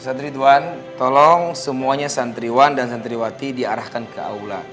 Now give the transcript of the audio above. santri tuhan tolong semuanya santriwan dan santriwati diarahkan ke aula